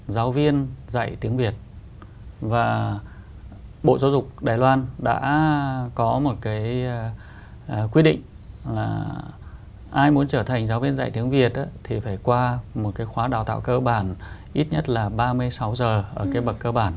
giáo viên dạy tiếng việt và bộ giáo dục đài loan đã có một cái quy định là ai muốn trở thành giáo viên dạy tiếng việt thì phải qua một cái khóa đào tạo cơ bản ít nhất là ba mươi sáu giờ ở cái bậc cơ bản